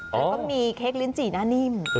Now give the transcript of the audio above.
ก็มีเคกลิ้นจี่หน้านิ่ม